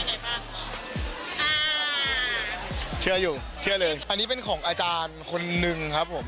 อ่าเชื่ออยู่เชื่อเลยอันนี้เป็นของอาจารย์คนนึงครับผม